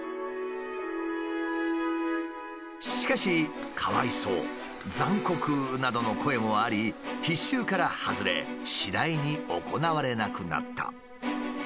しかしなどの声もあり必修から外れ次第に行われなくなった。